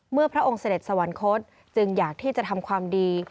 พระองค์เสด็จสวรรคตจึงอยากที่จะทำความดี